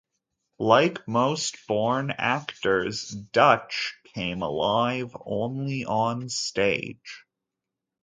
Like most born actors, "Dutch" came alive only on stage.